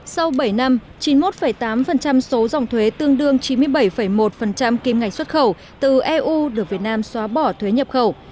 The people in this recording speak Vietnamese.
sau bảy năm chín mươi một tám số dòng thuế tương đương chín mươi bảy một kim ngạch xuất khẩu từ eu được việt nam xóa bỏ thuế nhập khẩu